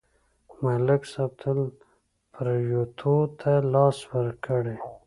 ملک صاحب تل پرېوتو ته لاس ورکړی.